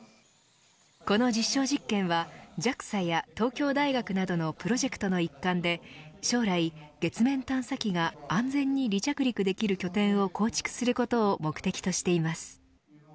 この実証実験はＪＡＸＡや東京大学などのプロジェクトの一環で将来、月面探査機が安全に離着陸できる拠点を構築することを目的としています。